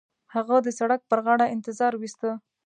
هغه د سړک پر غاړه انتظار وېسته.